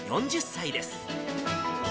４０歳です。